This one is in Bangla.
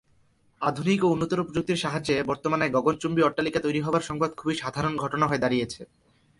আধুনিক ও উন্নততর প্রযুক্তির সাহায্যে বর্তমানে গগনচুম্বী অট্টালিকা তৈরী হবার সংবাদ খুবই সাধারণ ঘটনা হয়ে দাঁড়িয়েছে।